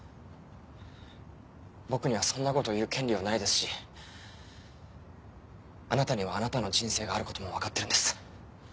僕にはそんなことを言う権利はないですしあなたにはあなたの人生があることも分かってるんです。